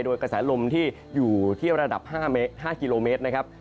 โดยกระแสลมที่อยู่ที่ระดับ๕กิโลเมตรนะครับ